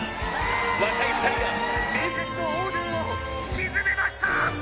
若い２人が伝説のオードゥンを沈めました！！」